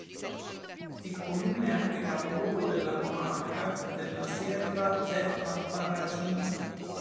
Il comune è anche il capoluogo della comarca della Sierra de Albarracín.